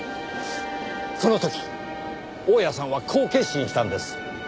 その時大屋さんはこう決心したんです。